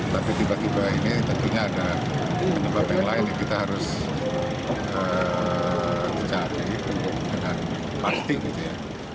tapi tiba tiba ini tentunya ada penyebab yang lain yang kita harus mencari dengan pasti gitu ya